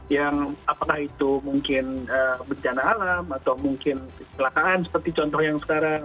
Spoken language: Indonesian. yang apakah itu mungkin bencana alam atau mungkin kecelakaan seperti contoh yang sekarang